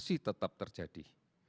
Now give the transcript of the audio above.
masih tetap terjadi